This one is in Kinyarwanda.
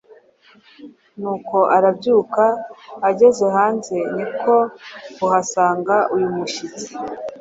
nuko arabyuka ageze hanze niko kuhasanga uyu mushyitsi